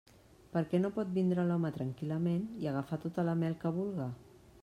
Per què no pot vindre l'home tranquil·lament i agafar tota la mel que vulga?